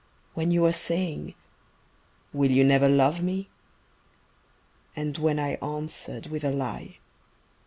When you were saying, "Will you never love me?" And when I answered with a lie.